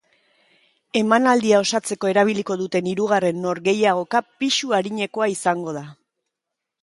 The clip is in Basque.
Emanaldia osatzeko erabiliko duten hirugarren norgehiagoka pisu arinekoa izango da.